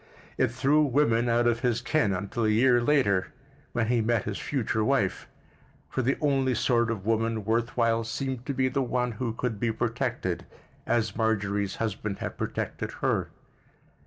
It threw women out of his ken until a year later, when he met his future wife; for the only sort of woman worth while seemed to be the one who could be protected as Marjorie's husband had protected her.